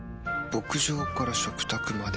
牧場から食卓まで。